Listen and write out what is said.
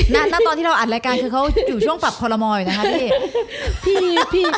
ณตอนที่เราอัดรายการคือเขาอยู่ช่วงปรับคอลโมอยู่นะคะพี่